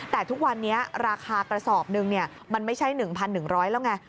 แต่ทุกวันนี้ราคากระสอบหนึ่งมันไม่ใช่๑๑๐๐แล้วไง